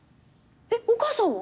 えっお母さんは？